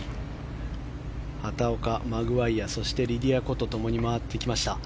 畑岡、マグワイヤそしてリディア・コとともに回ってきました。